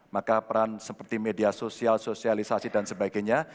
maka peran seperti media sosial sosialisasi dan sebagainya